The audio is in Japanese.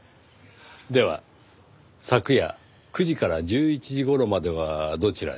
では昨夜９時から１１時頃まではどちらに？